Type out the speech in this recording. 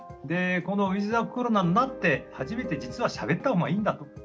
でこのウィズコロナになって初めて実はしゃべった方がいいんだと。